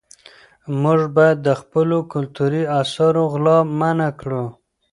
موږ باید د خپلو کلتوري اثارو غلا منعه کړو.